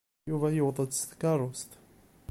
Yuba yuweḍ-d s tkeṛṛust.